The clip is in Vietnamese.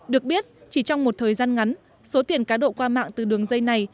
được biết chỉ trong một thời gian ngắn số tiền cá độ qua mạng từ đường dây này